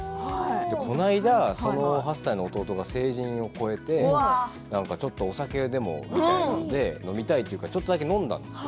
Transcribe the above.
この間、その８歳の弟が成人を超えてちょっとお酒にでも、飲みたいというのでちょっとだけ飲んだんです。